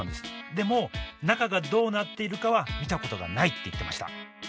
でも中がどうなっているかは見たことがないって言ってました。